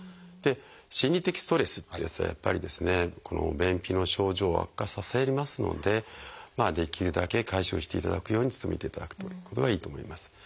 心理的ストレスというやつはやっぱりこの便秘の症状を悪化させますのでできるだけ解消していただくように努めていただくということがいいと思います。